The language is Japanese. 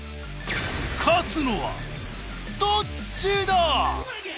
勝つのはどっちだ！？